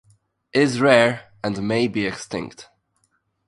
It is rare and may be extinct.